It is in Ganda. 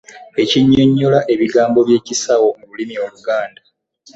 Ekinnyonnyola ebigambo by'ekisawo mu lulimi Oluganda.